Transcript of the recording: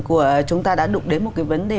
của chúng ta đã đụng đến một cái vấn đề